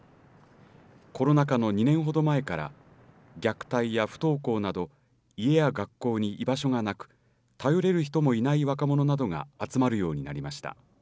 コロナ禍の２年ほど前から虐待や不登校など家や学校に居場所がなく頼れる人もいない若者などが集まるようになりました。